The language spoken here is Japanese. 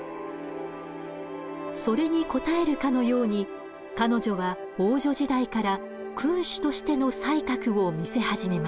それに応えるかのように彼女は王女時代から「君主としての才覚」を見せ始めます。